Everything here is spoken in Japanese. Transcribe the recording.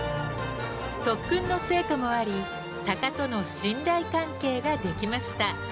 特訓の成果もあり鷹との信頼関係が出来ました。